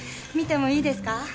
見てもいいですか？